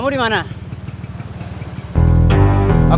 terima kasih pak